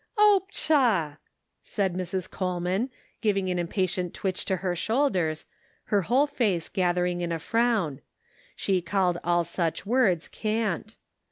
" Oh, pshaw !" said Mrs. Coleman, giving an impatient twitch to her shoulders, her whole 512 The Pocket Measure. face gathering in a frown ; she called all such words cant.